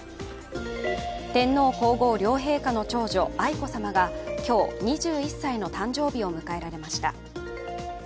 天皇皇后両陛下の長女愛子さまが今日、２１歳の誕生日を迎えられました。